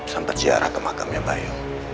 sampat siarah ke makamnya bayu